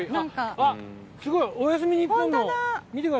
すごい「おやすみ日本」の！